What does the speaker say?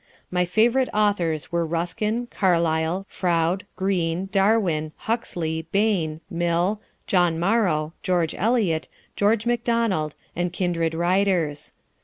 My favorite authors were Ruskin, Carlyle, Froude, Green, Darwin, Huxley, Bain, Mill, John Morrow, George Eliot, George Macdonald, and kindred writers.